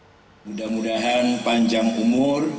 mudah mudahan panjang umur